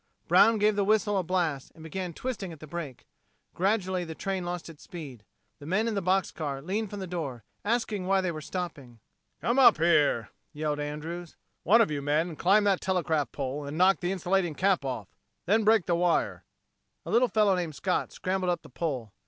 Brown gave the whistle a blast, and began twisting at the brake. Gradually the train lost its speed. The men in the box car leaned from the door, asking why they were stopping. "Come up here," yelled Andrews. "One of you men climb that telegraph pole and knock the insulating cap off. Then break the wire." A little fellow named Scott scrambled up the pole.